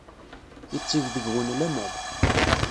Yetteg deg-wen laman.